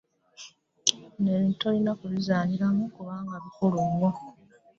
Bino ebintu tolina kubizanyiramu kubanga bikulu nnyo.